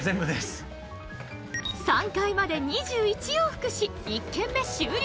３階まで２１往復し１件目終了！